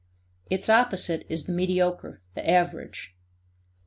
Its opposite is the mediocre, the average.